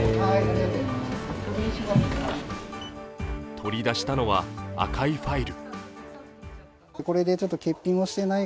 取り出したのは赤いファイル。